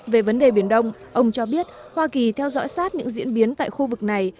về vấn đề biển đông ông cho biết hoa kỳ theo dõi sát những diễn biến tại khu vực này